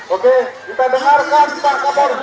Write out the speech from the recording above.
oke kita dengarkan kita kabar